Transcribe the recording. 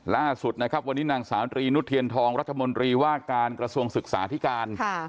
ล่าสุดนะครับวันนี้นางสาวตรีนุเทียนทองรัฐมนตรีว่าการกระทรวงศึกษาที่การ